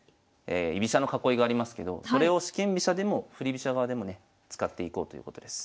居飛車の囲いがありますけどそれを四間飛車でも振り飛車側でもね使っていこうということです。